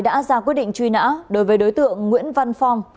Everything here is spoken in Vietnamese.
đã ra quyết định truy nã đối với đối tượng nguyễn văn phong